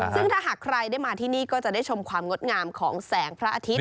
ซึ่งถ้าหากใครได้มาที่นี่ก็จะได้ชมความงดงามของแสงพระอาทิตย